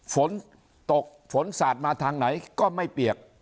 ฝนตกฝนสาดมาทางไหนก็ไม่เปียก